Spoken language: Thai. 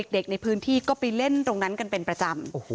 เด็กในพื้นที่ก็ไปเล่นตรงนั้นกันเป็นประจำ